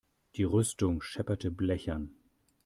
Die Rüstung schepperte blechern.